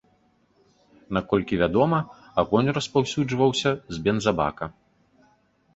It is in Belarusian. Наколькі вядома, агонь распаўсюджваўся з бензабака.